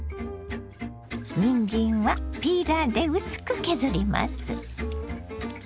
にんじんはピーラーで薄く削ります。